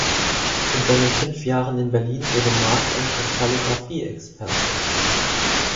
In seinen fünf Jahren in Berlin wurde Mark ein Kristallographie-Experte.